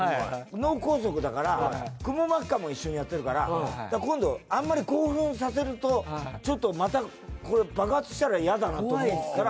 脳梗塞だからくも膜下も一緒にやってるから今度あんまり興奮させるとちょっとまた爆発したらやだなと思うから。